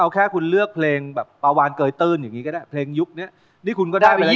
คุณเลือกเพลงปวานเกย์ตื่น